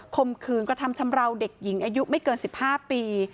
มขืนกระทำชำราวเด็กหญิงอายุไม่เกิน๑๕ปี